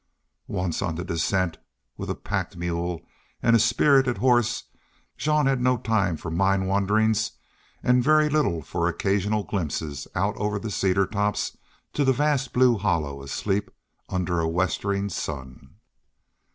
Once on the descent with a packed mule and a spirited horse, Jean had no time for mind wanderings and very little for occasional glimpses out over the cedar tops to the vast blue hollow asleep under a westering sun.